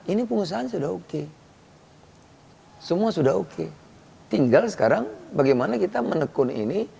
ini pengusaha sudah oke semua sudah oke tinggal sekarang bagaimana kita menekun ini